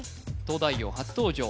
「東大王」初登場